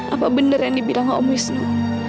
apa benar yang dibilang om wisnu